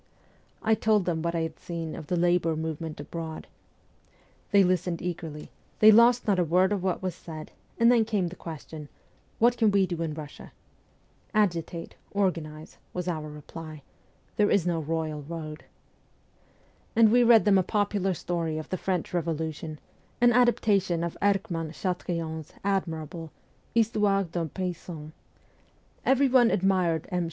I told them what I had seen of the labour movement abroad. 120 MEMOIRS OF A REVOLUTIONIST They listened with an eager attention ; they lost not a word of what was said ; and then came the question, ' What can we do in Eussia ?'' Agitate, organize,' was our reply ;' there is no royal road ;' and we read them a popular story of the French Revolution, an adaptation of Erckmann Chatrian's admirable ' Histoire d'un Paysan.' Everyone admired M.